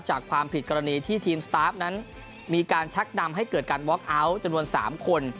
ออกจากความผิดกรณีที่ทีมสตาร์ฟนั้นมีการชักนำให้เกิดการจนวนสามคน